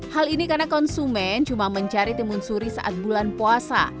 hal ini karena konsumen cuma mencari timun suri saat bulan puasa